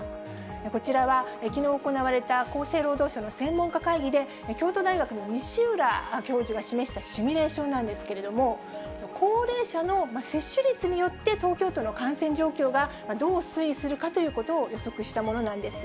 こちらはきのう行われた厚生労働省の専門家会議で、京都大学の西浦教授が示したシミュレーションなんですけれども、高齢者の接種率によって、東京都の感染状況がどう推移するかということを予測したものなんです。